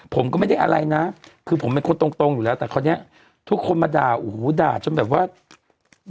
ผมก็ไม่ได้อะไรนะคือผมเป็นคนตรงตรงอยู่แล้วแต่คราวนี้ทุกคนมาด่าโอ้โหด่าจนแบบว่า